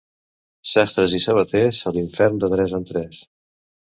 Sastres i sabaters, a l'infern de tres en tres.